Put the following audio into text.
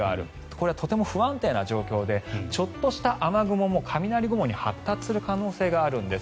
これはとても不安定な状況でちょっとした雨雲も雷雲に発達する可能性があるんです。